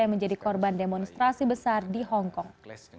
yang menjadi korban demonstrasi besar di hongkong